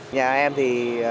nhà em thì